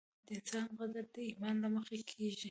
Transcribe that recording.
د انسان قدر د ایمان له مخې کېږي.